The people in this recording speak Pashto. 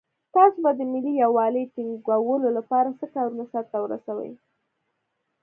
تاسو به د ملي یووالي ټینګولو لپاره څه کارونه سرته ورسوئ.